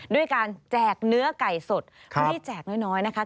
ด้วยการแจกเนื้อไก่สดไม่ได้แจกน้อยนะคะ